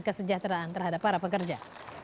kesejahteraan terhadap para pekerja